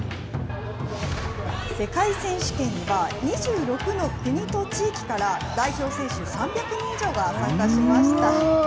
世界選手権は２６の国と地域から代表選手３００人以上が参加しました。